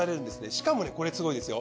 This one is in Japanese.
しかもねこれすごいですよ。